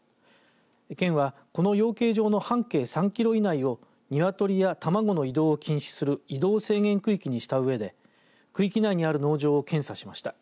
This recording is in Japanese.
県はこの養鶏場の半径３キロ以内を鶏や卵の移動を禁止する移動制限区域にしたうえで区域内にある農場を検査しました。